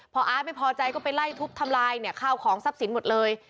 พออาร์ตไม่พอใจก็ไปไล่ทุบทำลายเนี่ยข้าวของทรัพย์สินหมดเลย